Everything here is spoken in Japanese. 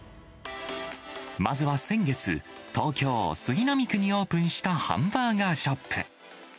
まずは先月、東京・杉並区にオープンしたハンバーガーショップ。